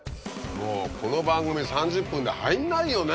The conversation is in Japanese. もうこの番組３０分で入んないよね。